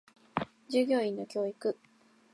従業者の教育